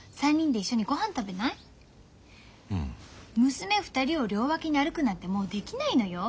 娘２人を両脇に歩くなんてもうできないのよ。